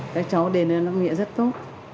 các cháu đề nơn đáp nghĩa rất tốt